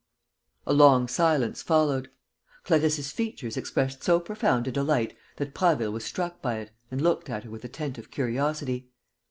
A long silence followed. Clarisse's features expressed so profound a delight that Prasville was struck by it and looked at her with attentive curiosity.